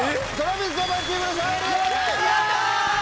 ・やった！